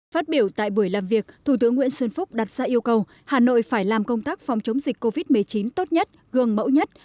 phát biểu tại buổi làm việc thủ tướng nguyễn xuân phúc đặt ra yêu cầu hà nội phải làm công tác phòng chống dịch covid một mươi chín tốt nhất gương mẫu nhất